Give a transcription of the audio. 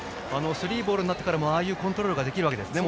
スリーボールになってからもああいうコントロールができるわけですね。